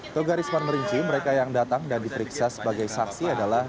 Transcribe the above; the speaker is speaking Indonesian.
toga risman merinci mereka yang datang dan diperiksa sebagai saksi adalah